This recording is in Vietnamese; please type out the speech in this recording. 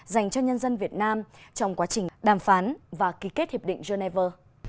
dành cho nhân dân việt nam trong quá trình đàm phán và ký kết hiệp định geneva